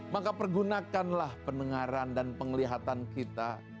maka pergunakanlah pendengaran dan penglihatan kita